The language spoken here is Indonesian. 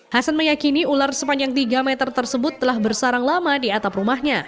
hasan meyakini ular sepanjang tiga meter tersebut telah bersarang lama di atap rumahnya